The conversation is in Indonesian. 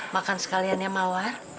makan sekalian ya mawar